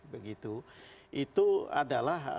begitu itu adalah